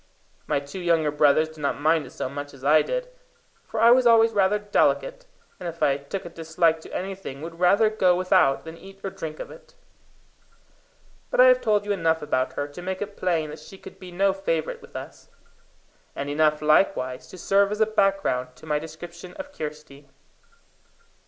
My two younger brothers did not mind it so much as I did, for I was always rather delicate, and if I took a dislike to anything, would rather go without than eat or drink of it. But I have told you enough about her to make it plain that she could be no favourite with us; and enough likewise to serve as a background to my description of Kirsty.